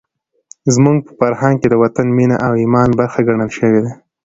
زموږ په فرهنګ کې د وطن مینه د ایمان برخه ګڼل شوې ده.